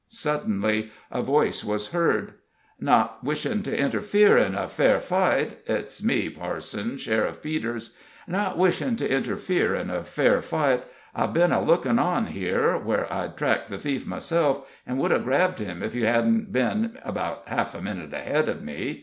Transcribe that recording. Suddenly a voice was heard: "Not wishin' to interfere in a fair fight it's me, parson, Sheriff Peters not wishin' to interfere in a fair fight, I've been a lookin' on here, where I'd tracked the thief myself, and would have grabbed him if you hadn't been about half a minute ahead of me.